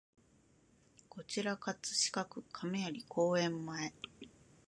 こちら葛飾区亀有公園前